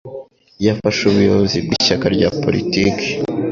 Yafashe ubuyobozi bw'ishyaka rya politiki.